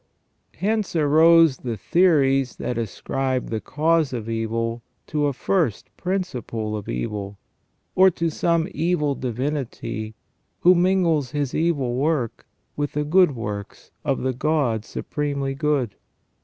Hence arose the theories that ascribe the cause of evil to a first principle of evil, or to some evil divinity who mingles his evil work with the good works of the God supremely good.